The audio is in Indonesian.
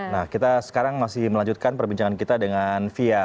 nah kita sekarang masih melanjutkan perbincangan kita dengan fia